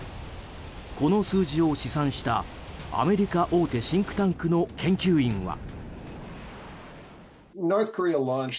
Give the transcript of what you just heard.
この数字を試算したアメリカ大手シンクタンクの研究員は。